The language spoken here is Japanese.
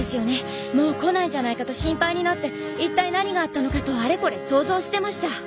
もう来ないんじゃないかと心配になっていったい何があったのかとあれこれ想像してました。